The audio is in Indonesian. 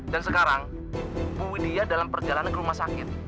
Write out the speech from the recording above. dan sekarang bu widya dalam perjalanan ke rumah sakit